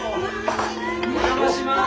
お邪魔します。